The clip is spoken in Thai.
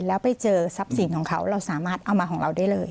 แล้วไปเจอทรัพย์สินของเขาเราสามารถเอามาของเราได้เลย